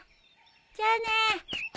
じゃあね。